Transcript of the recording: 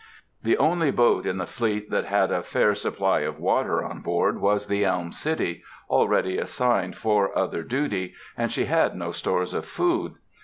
The only boat in the fleet that had a fair supply of water on board was the Elm City, already assigned for other duty, and she had no stores of food.